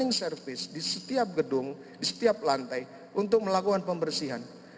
dan juga oleh cleaning service di setiap gedung di setiap lantai untuk melakukan pembersihan